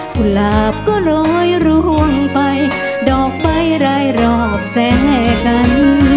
กุหลาบก็โรยร่วงไปดอกใบไร้รอบแจกัน